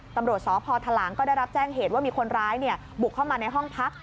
ตำรวจสพทหลางก็ได้รับแจ้งเหตุว่ามีคนร้ายบุกเข้ามาในห้องพัก